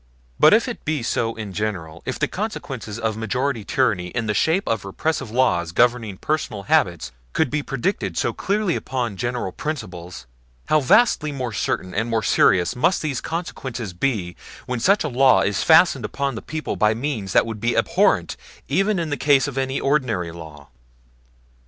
But if it be so in general if the consequences of majority tyranny in the shape of repressive laws governing personal habits could be predicted so clearly upon general principles how vastly more certain and more serious must these consequences be when such a law is fastened upon the people by means that would be abhorrent even in the case of any ordinary law!